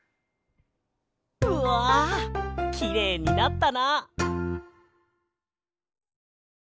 うわきれいになったな！